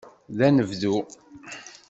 D anebdu.